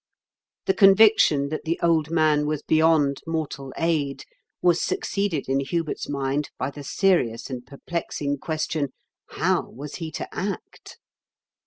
The conviction that the old man was beyond mortal aid was succeeded in Hubert's mind by the serious and perplexing question. How was he to act